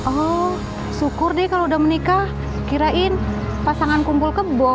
oh syukur deh kalau udah menikah kirain pasangan kumpul kebo